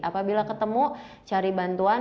apabila ketemu cari bantuan